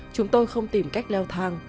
chúng tôi không tìm cách nêu thang